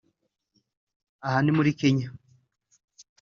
Aha ni muri Kenya